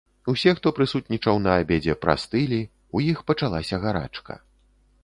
Усе, хто прысутнічаў на абедзе прастылі, у іх пачалася гарачка.